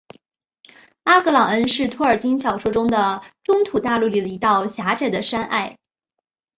阿格朗恩是托尔金小说的中土大陆里的一道狭窄的山隘。